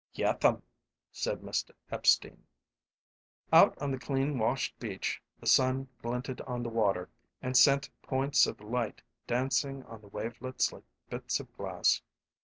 "Yeth'm," said Mr. Epstein. Out on the clean washed beach the sun glinted on the water and sent points of light dancing on the wavelets like bits of glass.